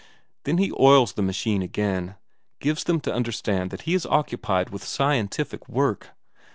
Then he oils the machine again; gives them to understand that he is occupied with scientific work.